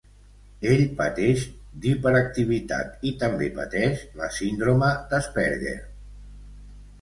Ell pateix d'hiperactivitat i també pateix la síndrome d'Asperger.